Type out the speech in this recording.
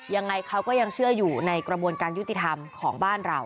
ยังไงเขาก็ยังเชื่ออยู่ในกระบวนการยุติธรรมของบ้านเรา